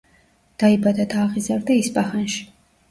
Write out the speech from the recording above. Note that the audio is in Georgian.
დაიბადა და აღიზარდა ისპაჰანში.